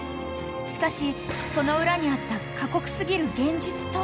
［しかしその裏にあった過酷過ぎる現実とは］